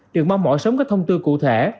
được mong mỏ sống các thông tư cụ thể